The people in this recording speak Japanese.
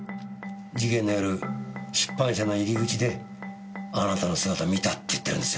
事件の夜出版社の入り口であなたの姿見たって言ってるんですよ。